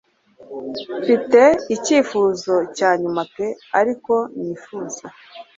Mfite icyifuzo cya nyuma pe ariko nifuza